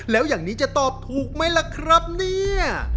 แล้วอย่างนี้จะตอบถูกไหมล่ะครับเนี่ย